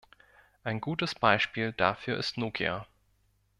Ein gutes Beispiel dafür ist Nokia.